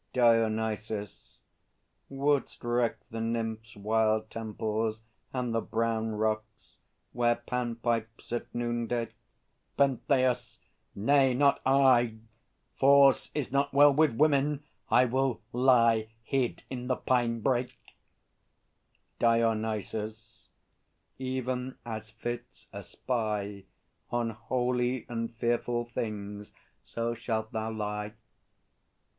DIONYSUS. Wouldst wreck the Nymphs' wild temples, and the brown Rocks, where Pan pipes at noonday? PENTHEUS. Nay; not I! Force is not well with women. I will lie Hid in the pine brake. DIONYSUS. Even as fits a spy On holy and fearful things, so shalt thou lie!